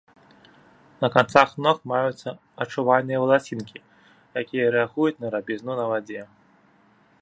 На канцах ног маюцца адчувальныя валасінкі, якія рэагуюць на рабізну на вадзе.